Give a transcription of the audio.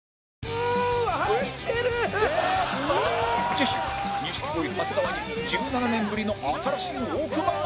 次週錦鯉長谷川に１７年ぶりの新しい奥歯が！